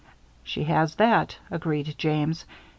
"She has that," agreed James.